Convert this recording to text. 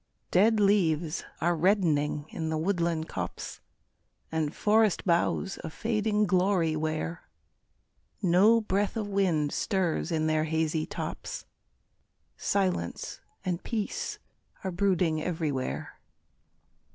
Dead leaves are reddening in the woodland copse, And forest boughs a fading glory wear; No breath of wind stirs in their hazy tops, Silence and peace are brooding everywhere.